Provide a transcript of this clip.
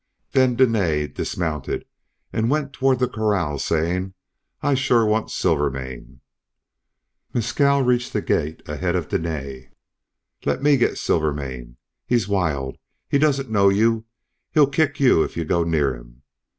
"Then Dene dismounted and went toward the corral saying, 'I shore want Silvermane.' "Mescal reached the gate ahead of Dene. 'Let me get Silvermane. He's wild; he doesn't know you; he'll kick you if you go near him.'